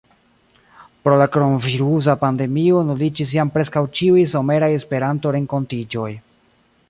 Pro la kronvirusa pandemio nuliĝis jam preskaŭ ĉiuj someraj Esperanto-renkontiĝoj.